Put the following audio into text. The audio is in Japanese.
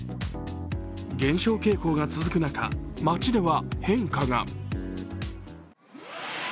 減少傾向が続く中、街では変化が。